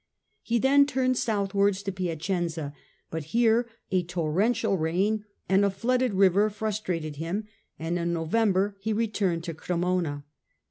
He then turned southwards to Piacenza, but here a torrential rain and a flooded river frustrated him, and in November he returned to Cremona.